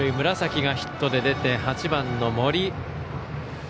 村崎がヒットで出て打席には８番の森。